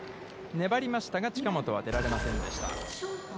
粘りましたが、近本は出られませんでした。